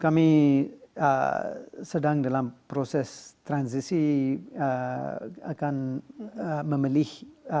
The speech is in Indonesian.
kami sedang dalam proses transisi akan memilih